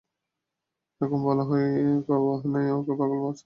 এখন বলা নেই কওয়া নেই ওকে পাগল ভাবছেন আপনারা?